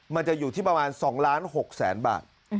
มันจะอยู่ที่ประมาณ๒ล้าน๖แสนบาท